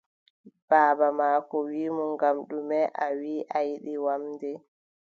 Baaba maako wii mo: ngam ɗume a wii a yiɗi wamnde?